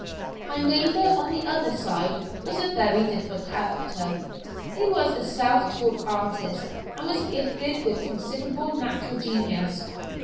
My neighbour on the other side was a very different character. He was a self taught artist, and was gifted with considerable natural genius.